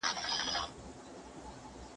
آیا بخښنه تر غچ ښکلې ده؟